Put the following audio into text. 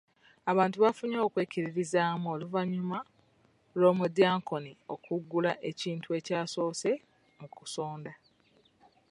Abantu bafunye okwekkiririzaamu oluvannyuma lw'omudyankoni okugula ekintu ekyasoose mu kusonda.